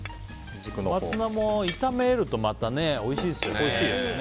コマツナも炒めるとまたおいしいですよね。